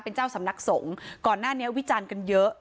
เป็นเจ้าสำนักสงฆ์ก่อนหน้านี้วิจารณ์กันเยอะ